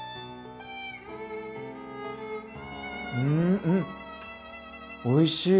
うんんっおいしい！